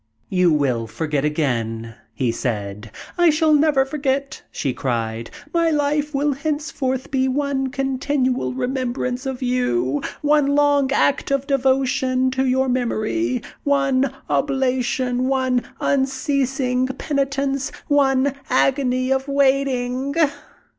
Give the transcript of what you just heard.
"You will forget again," he said. "I shall never forget!" she cried. "My life will henceforth be one continual remembrance of you, one long act of devotion to your memory, one oblation, one unceasing penitence, one agony of waiting!"